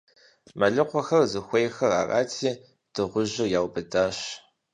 Мэлыхъуэхэр зыхуейххэр арати, дыгъужьыр яубыдащ.